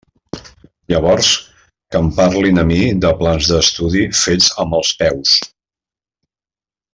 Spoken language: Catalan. Llavors, que em parlin a mi de plans d'estudi fets amb els peus.